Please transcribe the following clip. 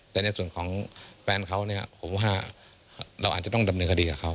แต่ในส่วนของแฟนเขาเนี่ยผมว่าเราอาจจะต้องดำเนินคดีกับเขา